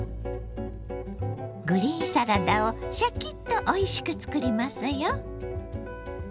グリーンサラダをシャキッとおいしく作りますよ。